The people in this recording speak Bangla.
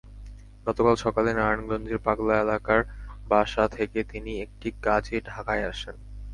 গতকাল সকালে নারায়ণগঞ্জের পাগলা এলাকার বাসা থেকে তিনি একটি কাজে ঢাকায় আসেন।